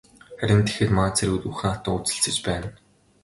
Харин тэгэхэд манай цэргүүд үхэн хатан үзэлцэж байна.